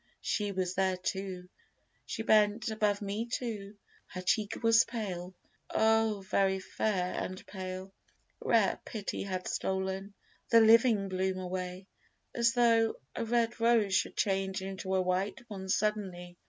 She was there too: She bent above me too: her cheek was pale, Oh! very fair and pale: rare pity had stolen The living bloom away, as tho' a red rose Should change into a white one suddenly.